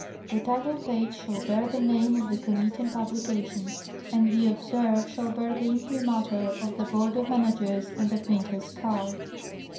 The title page shall bear the name of the Committee on Publications ; and the obverse shall bear the im primatur of the Board of Managers and the printer's card.